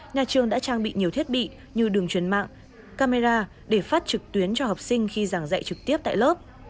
nhà trường đã trang bị nhiều thiết bị như đường truyền mạng camera để phát trực tuyến cho học sinh khi giảng dạy trực tiếp tại lớp